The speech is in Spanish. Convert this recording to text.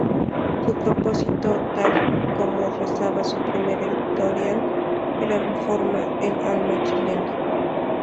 Su propósito, tal como rezaba su primer editorial, era reformar "el alma chilena".